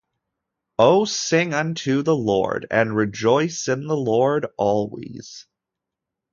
'O sing unto the Lord' and 'Rejoice in the Lord always'.